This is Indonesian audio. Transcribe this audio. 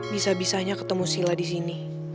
bisa bisanya ketemu sila disini